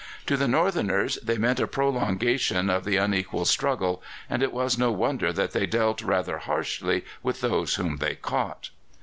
To the Northerners they meant a prolongation of the unequal struggle, and it was no wonder that they dealt rather harshly with those whom they caught.